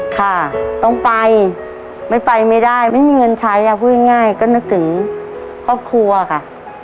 ค่ะต้องไปไม่ไปไม่ได้ไม่มีเงินใช้อ่ะพูดง่ายก็นึกถึงครอบครัวค่ะ